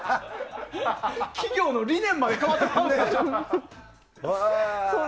企業の理念まで変わってしまう。